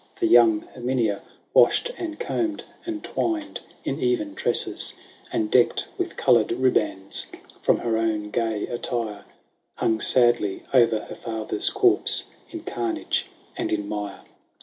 The young Herminia washed and combed. And twined in even tresses. 126 LAYS OF ANCIENT HOME. And decked with coloured ribands From her own gay attire, Hung sadly o'er her father's corpse In carnage and in mire.